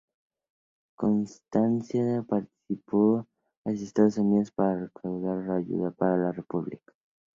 Constancia partió hacia Estados Unidos para recabar ayuda para la República.